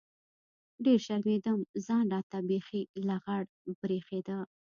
ډېر شرمېدم ځان راته بيخي لغړ بريښېده.